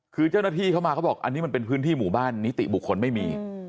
คือเจ้าหน้าที่เขามาเขาบอกอันนี้มันเป็นพื้นที่หมู่บ้านนิติบุคคลไม่มี